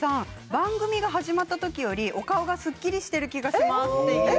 番組が始まった時よりお顔がすっきりしている気がします。